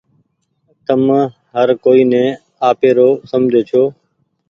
تم هر ڪوئي ني آپيرو سمجهو ڇو۔